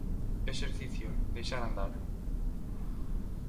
Exercicio: deixar andar.